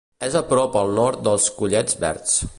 És a prop al nord dels Collets Verds.